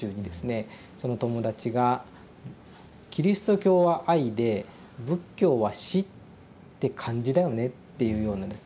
その友達が「キリスト教は愛で仏教は死って感じだよね」っていうようなですね